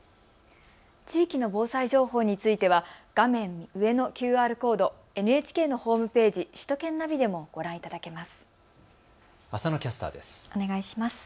地域の防災情報については画面上のＱＲコード、ＮＨＫのホームページ、首都圏ナビでもご覧いただけます。